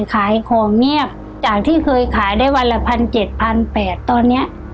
ขายของเงียบจากที่เคยขายได้วันละพันเจ็ดพันแปดตอนเนี้ย